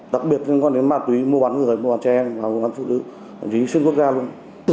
đặc biệt liên quan đến ma túy mua bán người mua bán trẻ em mua bán phụ nữ thậm chí xuyên quốc gia luôn